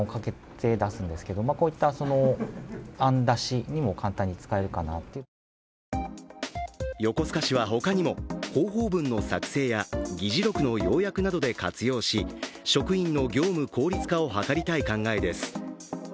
例えば職員が気に入ったのは横須賀市は他にも、広報文の作成や議事録の要約などで活用し、職員の業務効率化を図りたい考えです。